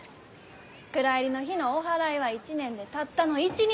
蔵入りの日のおはらいは一年でたったの一日！